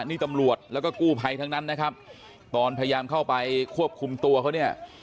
นี่ตำรวจแล้วก็กู้ภัยทั้งนั้นนะครับตอนพยายามเข้าไปควบคุมตัวเขาเนี่ย